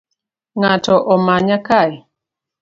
Ng’ato omanya kaa?